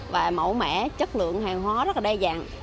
và mẫu mẻ chất lượng hàng hóa rất đa dạng